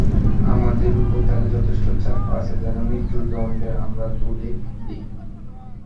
আমাদের ওপর তাদের যথেষ্ট চাপ আছে যেন মৃত্যুদণ্ড আমরা তুলে দিই।